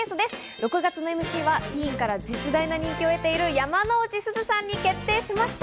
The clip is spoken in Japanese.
６月のＭＣはティーンから絶大な人気を得ている山之内すずさんに決定しました。